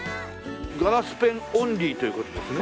ガラスペンオンリーという事ですね？